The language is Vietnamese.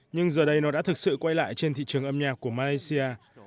nhưng giờ đây nó đã thực sự quay lại trên thị trường âm nhạc của malaysia